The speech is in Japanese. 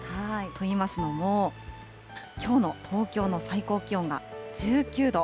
といいますのも、きょうの東京の最高気温が１９度。